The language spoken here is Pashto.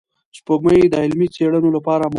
سپوږمۍ د علمي څېړنو لپاره مهمه ده